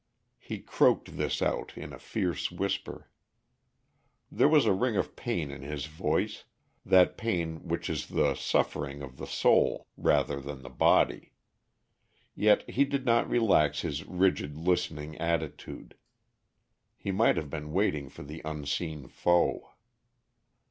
He croaked this out in a fierce whisper. There was a ring of pain in his voice, that pain which is the suffering of the soul rather than the body. Yet he did not relax his rigid listening attitude. He might have been waiting for the unseen foe.